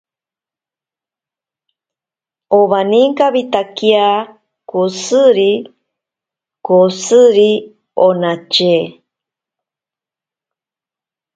Owaninkawitakia koshiri koshiri onatye.